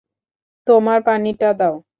তোমার পানিটা দাও।